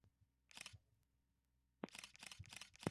হঠাৎ একটি মূর্তি জেগে ওঠে।